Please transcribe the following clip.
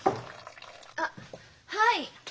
あっはい。